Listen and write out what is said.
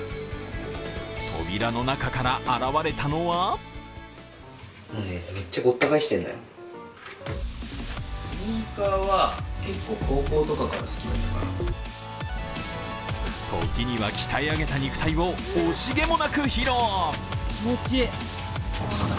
扉の中から現れたのは時には鍛え上げた肉体を惜しげもなく披露。